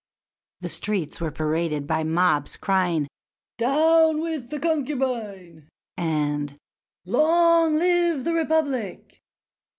The streets were paraded by mobs crying, "Down with the concubine!" and "Long live the Republic!"